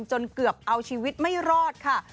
จนเกือบเอาชีวิตไม่รอดค่ะ